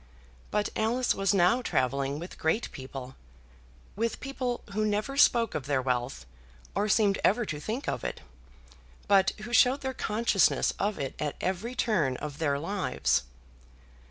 But Alice was now travelling with great people, with people who never spoke of their wealth, or seemed ever to think of it, but who showed their consciousness of it at every turn of their lives.